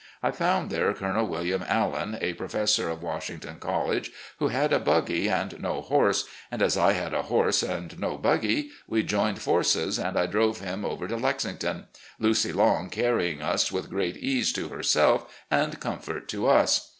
I found there Colonel William Allan, a pro fessor of Washington College, who had a buggy and no horse, and as I had a horse and no buggy, we joined forces and I drove him over to Lexington, "Lucy Long" canying us with great ease to herself and comfort to us.